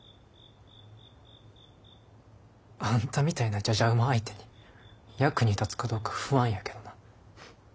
あんたみたいなじゃじゃ馬相手に役に立つかどうか不安やけどな。